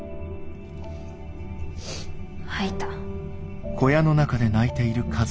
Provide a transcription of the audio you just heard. ・吐いた。